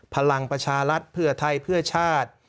พลังประชารัฐเพื่อไทยเพื่อชาติ